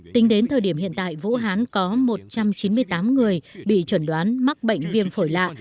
tính đến thời điểm hiện tại vũ hán có một trăm chín mươi tám người bị chuẩn đoán mắc bệnh viêm phổi lạ